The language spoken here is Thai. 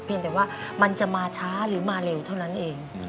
แต่ว่ามันจะมาช้าหรือมาเร็วเท่านั้นเอง